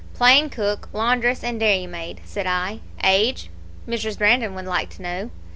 "'Plain cook, laundress, and dairymaid,' said I. "'Age? Mrs. Brandon would like to know.'